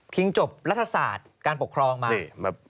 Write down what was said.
จบรัฐศาสตร์การปกครองมา